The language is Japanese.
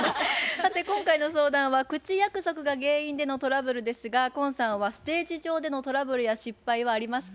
さて今回の相談は口約束が原因でのトラブルですが今さんはステージ上でのトラブルや失敗はありますか？